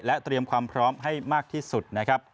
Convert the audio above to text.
และเตรียมความพร้อมให้มากที่สุด